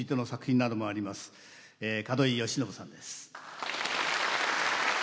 門井慶喜さんです。